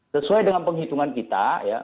sesuai dengan penghitungan kita